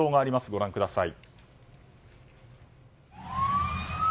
ご覧ください。